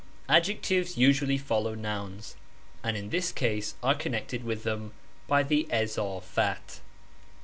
Adjectives usually follow nouns, and in this case are connected with them by the izafat.